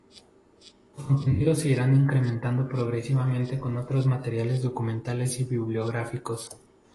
Los contenidos se irán incrementando progresivamente con otros materiales documentales y bibliográficos.